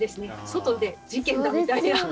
外で事件だみたいな。